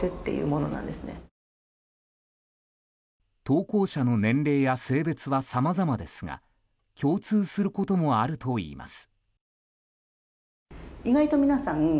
投稿者の年齢や性別はさまざまですが共通することもあるといいます。